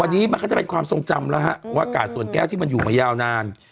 วันนี้มันก็จะเป็นความทรงจำแล้วฮะว่ากาดส่วนแก้วที่มันอยู่มายาวนาน